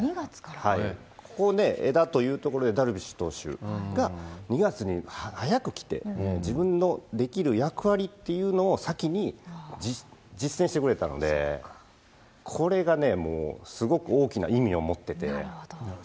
ここをね、枝というところで、ダルビッシュ投手が、２月に早く来て、自分のできる役割っていうのを先に実践してくれたので、これがね、なるほど。